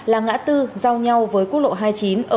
là ngã tư giao nhau với quốc lộ hai mươi chín ở